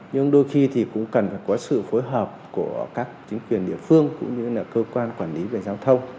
nhưng đôi khi thì cũng cần phải có sự phối hợp của các chính quyền địa phương cũng như là cơ quan quản lý về giao thông